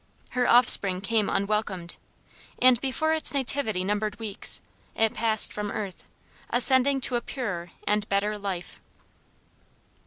Her offspring came unwelcomed, and before its nativity numbered weeks, it passed from earth, ascending to a purer and better life.